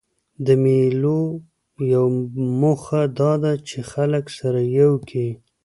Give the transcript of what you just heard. د مېلو یوه موخه دا ده، چي خلک سره یو کي.